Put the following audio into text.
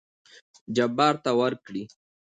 جبار ته ورکړې.